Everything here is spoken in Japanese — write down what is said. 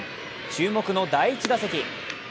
注目の第１打席。